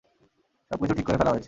সব কিছু ঠিক করে ফেলা হয়েছে।